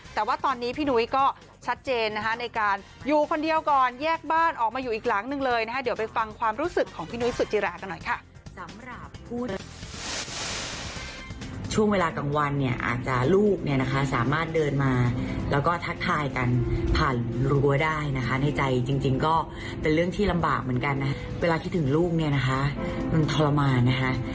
ช่วงเวลากลางวันเนี่ยอาจจะลูกเนี่ยนะคะสามารถเดินมาแล้วก็ทักทายกันผ่านรัวได้นะคะในใจจริงก็เป็นเรื่องที่ลำบากเหมือนกันนะเวลาที่ถึงลูกเนี่ยนะคะมันทรมานนะฮะ